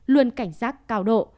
luôn cảnh giác cao độ